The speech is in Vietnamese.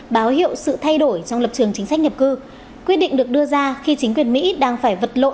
báo hiệu sự thay đổi trong lập trường chính sách nhập cư quyết định được đưa ra khi chính quyền mỹ đang phải vật lộn